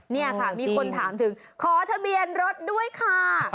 นี่ค่ะมีคนถามถึงขอทะเบียนรถด้วยค่ะ